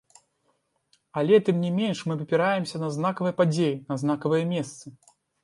Але тым не менш мы абапіраемся на знакавыя падзеі, на знакавыя месцы.